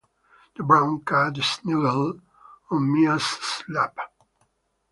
The brown cat snuggled on Mia's lap